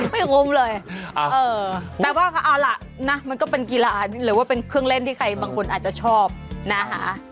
งมเลยแต่ว่าเอาล่ะนะมันก็เป็นกีฬาหรือว่าเป็นเครื่องเล่นที่ใครบางคนอาจจะชอบนะคะ